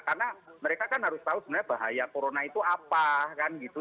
karena mereka kan harus tahu sebenarnya bahaya corona itu apa kan gitu